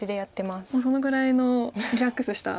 もうそのぐらいのリラックスした。